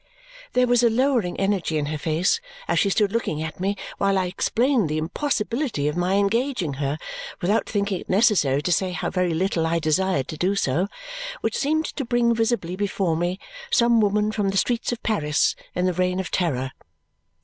There was a lowering energy in her face as she stood looking at me while I explained the impossibility of my engaging her (without thinking it necessary to say how very little I desired to do so), which seemed to bring visibly before me some woman from the streets of Paris in the reign of terror.